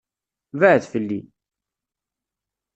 Beɛɛed fell-i.